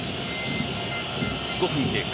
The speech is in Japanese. ５分経過。